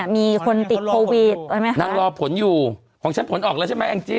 มีคนติดโควิดนางรอผลอยู่ของฉันผลออกแล้วใช่ไหมแองจี้